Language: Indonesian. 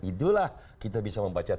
itulah kita bisa membaca